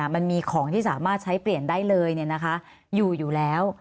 มันมีของที่สามารถใช้เปลี่ยนได้เลยอยู่อยู่แล้ว